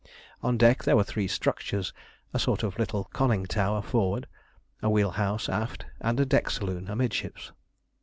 On deck there were three structures, a sort of little conning tower forward, a wheel house aft, and a deck saloon amidships.